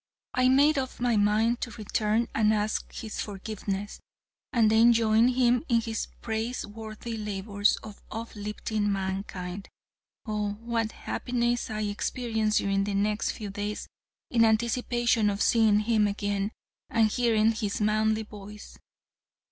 I made up my mind to return and ask his forgiveness, and then join him in his praiseworthy labors of uplifting mankind. Oh! what happiness I experienced during the next few days in anticipation of seeing him again and hearing his manly voice.